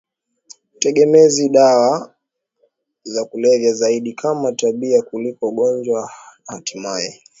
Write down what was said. utegemezi dawa za kulevya zaidi kama tabia kuliko ugonjwa na hatimaye